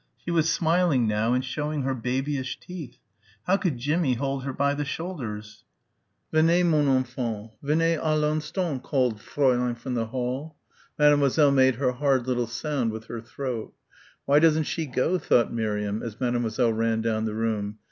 She was smiling now and showing her babyish teeth. How could Jimmie hold her by the shoulders? "Venez mon enfant, venez à l'instant," called Fräulein from the hall. Mademoiselle made her hard little sound with her throat. "Why doesn't she go?" thought Miriam as Mademoiselle ran down the room.